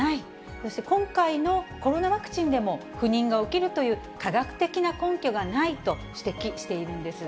そして今回のコロナワクチンでも不妊が起きるという科学的な根拠がないと指摘しているんです。